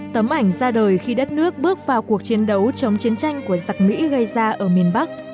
tấm ảnh ra đời khi đất nước bước vào cuộc chiến đấu chống chiến tranh của giặc mỹ gây ra ở miền bắc